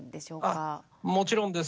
あもちろんです。